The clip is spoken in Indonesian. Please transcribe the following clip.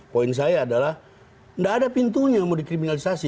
poin saya adalah tidak ada pintunya mau dikriminalisasi